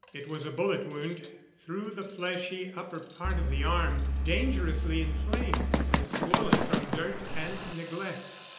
It was a bullet wound through the fleshy upper part of the arm, dangerously inflamed and swollen from dirt and neglect.